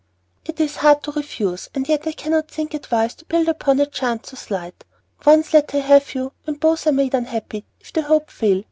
"It is hard to refuse, and yet I cannot think it wise to build upon a chance so slight. Once let her have you, and both are made unhappy, if the hope fail.